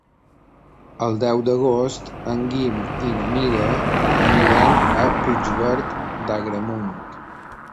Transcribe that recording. El deu d'agost en Guim i na Mira aniran a Puigverd d'Agramunt.